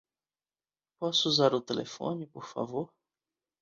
Posso usar o telefone, por favor?